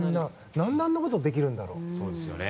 何であんなことできるんだろう。